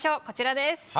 こちらです。